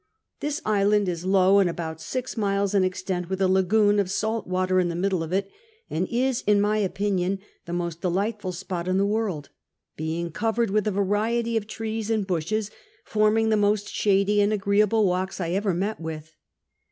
This island is low and about si.x miles in extent, with a lagoon of salt water in the middle of it ; and is in my ojdiiion the most delightful spot in the world; being coveretl with a variety of trees and bushes, forming the most shady and agreeable walks I ever met with.